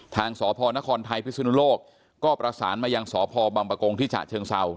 ทางสพนครไทยพิสุนโลกก็ประสานมายังสพบปทิจฉเชิงเศรา